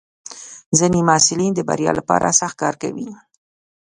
ځینې محصلین د بریا لپاره سخت کار کوي.